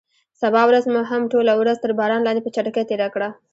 سبا ورځ مو هم ټوله ورځ تر باران لاندې په چټکۍ تېره کړه.